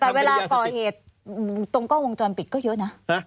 แต่เวลาก่อเหตุตรงกล้องวงจรปิดก็เยอะนะ